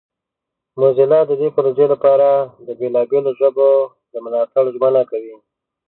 موزیلا د دې پروژې لپاره د بیلابیلو ژبو د ملاتړ ژمنه کوي.